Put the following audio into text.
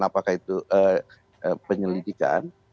apakah itu penyelidikan